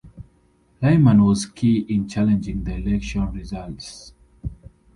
Lyman was key in challenging the election results.